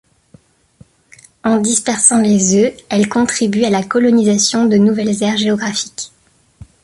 En dispersant les œufs, elles contribuent à la colonisation de nouvelles aires géographiques.